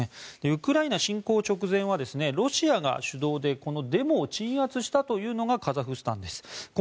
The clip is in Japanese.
ウクライナ侵攻直前はロシアが主導でデモを鎮圧したというのがカザフスタンです。